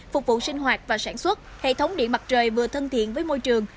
phục vụ sinh hoạt và sản xuất hệ thống điện mặt trời vừa thân thiện với môi trường